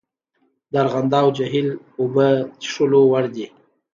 د ارغنداب جهیل اوبه څښلو وړ دي؟